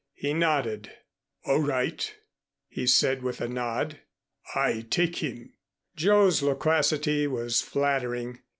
He nodded. "A'right," he said, with a nod. "I take heem." Joe's loquacity was flattering.